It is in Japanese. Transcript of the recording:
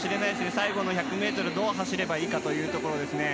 最後の１００ｍをどう走ればいいかというところですね。